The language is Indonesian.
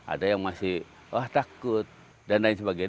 ada yang masih wah takut dan lain sebagainya